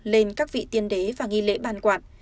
lên các vị tiên đế và nghi lễ ban quản